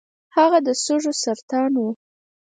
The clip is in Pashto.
هغه د سږو سرطان و .